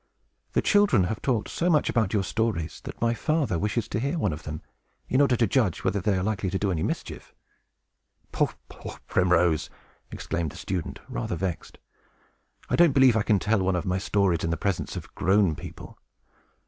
The children have talked so much about your stories, that my father wishes to hear one of them, in order to judge whether they are likely to do any mischief." "Poh, poh, Primrose!" exclaimed the student, rather vexed. "I don't believe I can tell one of my stories in the presence of grown people.